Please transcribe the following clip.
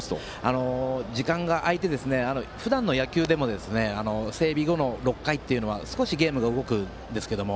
時間が空いて、ふだんの野球でも整備後の６回というのは少しゲームが動くんですけれども。